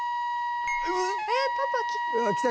えっ？パパ来た。